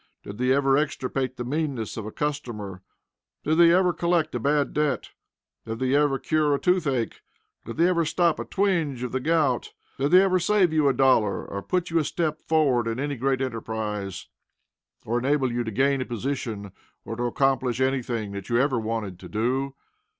Did they ever extirpate the meanness of a customer? Did they ever collect a bad debt? Did they ever cure a toothache? Did they ever stop a twinge of the gout? Did they ever save you a dollar, or put you a step forward in any great enterprise? or enable you to gain a position, or to accomplish anything that you ever wanted to do?